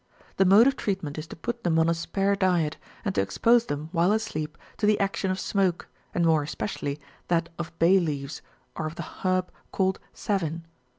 The mode of treatment is to put them on a spare diet, and to ex pose them, while asleep, to the action of smoke, and more es pecially that of bay leaves or of the herb called savin.